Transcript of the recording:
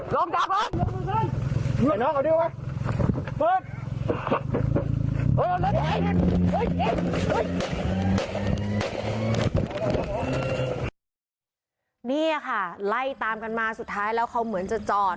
นี่ค่ะไล่ตามกันมาสุดท้ายแล้วเขาเหมือนจะจอด